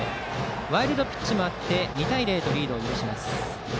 ワイルドピッチもあり２対０とリードを許します。